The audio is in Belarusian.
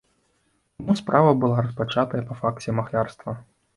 Таму справа была распачатая па факце махлярства.